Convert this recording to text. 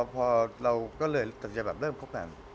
พอเราก็เลยตัดสินใจแบบเริ่มคบกัน